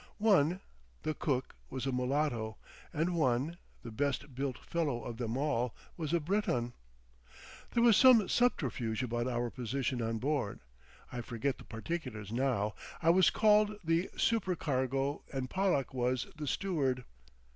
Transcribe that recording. One, the cook was a mulatto; and one, the best built fellow of them all, was a Breton. There was some subterfuge about our position on board—I forget the particulars now—I was called the supercargo and Pollack was the steward.